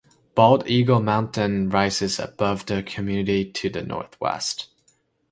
Bald Eagle Mountain rises above the community to the northwest.